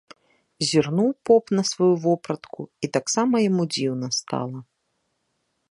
Зірнуў поп на сваю вопратку, і таксама яму дзіўна стала.